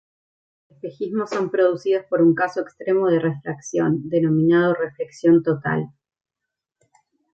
Los espejismos son producidos por un caso extremo de refracción, denominado reflexión total.